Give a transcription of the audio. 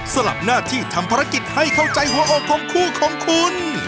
สลับหน้าที่ทำภารกิจให้เข้าใจหัวอกของคู่ของคุณ